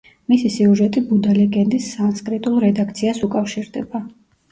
მისი სიუჟეტი ბუდა ლეგენდის სანსკრიტულ რედაქციას უკავშირდება.